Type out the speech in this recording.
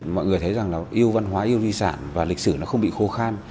mọi người thấy rằng là yêu văn hóa yêu di sản và lịch sử nó không bị khô khan